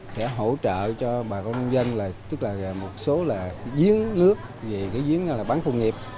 sẽ hỗ trợ cho bà con nông dân tức là một số là diến nước về cái diến bán khuôn nghiệp